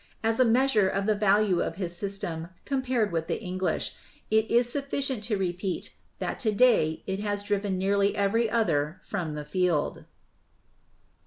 As a measure of the value of his system, compared with the English, it is sufficient to repeat that to day it has driven nearly every other from the field.